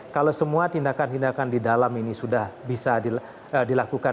kalau semua tindakan tindakan di dalam ini sudah bisa dilakukan